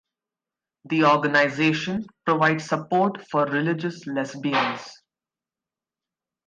The organization provides support for religious lesbians.